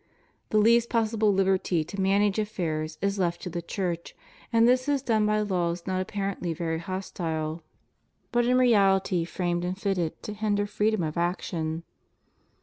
The least possible liberty to manage affairs is left to the Chm ch; and this is done by laws not apparently very hostile, but FREEMASONRY. 91 in reality framed and fitted to hinder freedom of action.